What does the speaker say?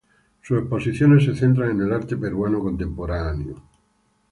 Sus exposiciones se centran en el arte peruano contemporáneo.